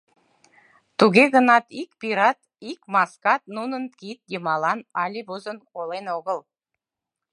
Туге гынат ик пират, ик маскат нунын кид йымалан але возын колен огыл.